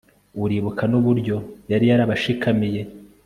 uribuka n'uburyo yari yarabashikamiye